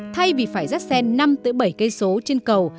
thay vì phải dắt xen năm bảy km trên cầu